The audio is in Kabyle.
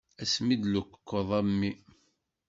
Ass mi d-tlukeḍ a mmi.